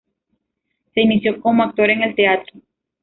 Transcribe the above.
Se inició como actor en el teatro.